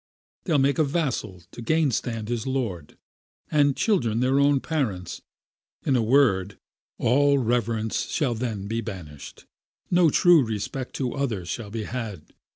They'll make a vassal to gain stand his lord, And children their own parents; in a word, All reverence shall then be banished, No true respect to other shall be had.